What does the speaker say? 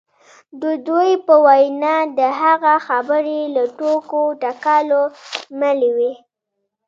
د دوی په وینا د هغه خبرې له ټوکو ټکالو ملې وې